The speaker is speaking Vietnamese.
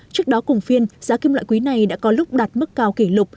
trước đó cùng phiên giá kim loại quý này đã có lúc đạt mức cao kỷ lục